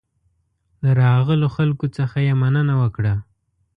د راغلو خلکو څخه یې مننه وکړه.